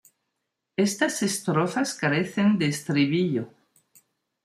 Estas estrofas carecen de estribillo.